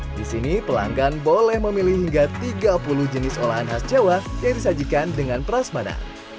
di sini pelanggan boleh memilih hingga tiga puluh jenis olahan khas jawa yang disajikan dengan prasmana